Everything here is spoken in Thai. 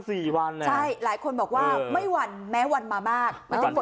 ใช่หลายคนบอกว่าไม่หวั่นแม้วันมามาก